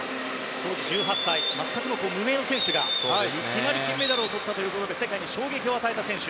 当時１８歳全くの無名の選手がいきなり金メダルを取ったということで世界に衝撃を与えた選手。